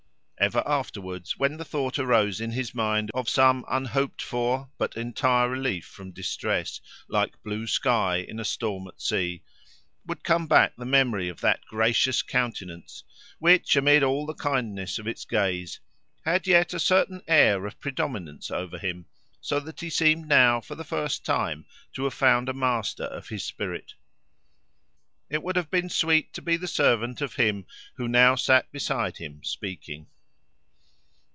Ever afterwards, when the thought arose in his mind of some unhoped for but entire relief from distress, like blue sky in a storm at sea, would come back the memory of that gracious countenance which, amid all the kindness of its gaze, had yet a certain air of predominance over him, so that he seemed now for the first time to have found the master of his spirit. It would have been sweet to be the servant of him who now sat beside him speaking.